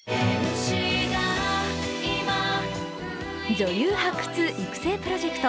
女優発掘・育成プロジェクト